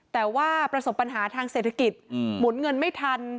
แต่ว่าประสบปัญหาทางเศรษฐกิจหมุนเงินไม่ทัน